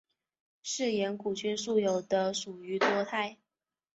嗜盐古菌素有的属于多肽。